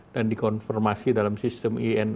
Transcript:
dan dikonfirmasi dalam sistem insw di sektor pangan